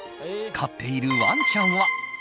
飼っているワンちゃんは。